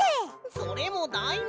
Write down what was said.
それもだいなし！